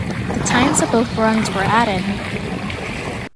The times of both runs were added.